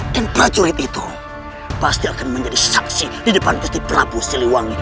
dan prajurit itu pasti akan menjadi saksi di depan kesti prabu siliwangi